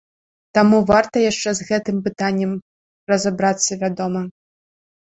Таму варта яшчэ з гэтым пытаннем разабрацца, вядома.